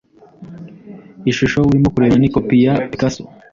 Ishusho urimo kureba ni kopi ya Picasso.